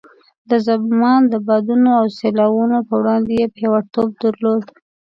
د زمان د بادونو او سیلاوونو په وړاندې یې پیاوړتوب درلود.